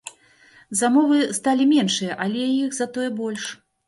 Замовы сталі меншыя, але іх затое больш.